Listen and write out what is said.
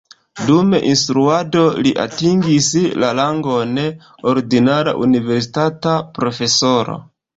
Dum instruado li atingis la rangon ordinara universitata profesoro.